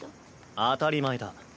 当たり前だ。